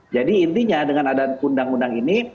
jadi intinya dengan adanya undang undang ini